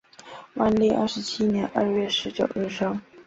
万历二十七年二月十九日生。